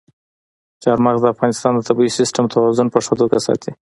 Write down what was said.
چار مغز د افغانستان د طبعي سیسټم توازن په ښه توګه ساتي.